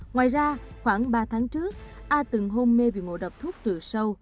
ngoài ra khoảng ba tháng trước a từng hôn mê vì ngộ độc thuốc trừ sâu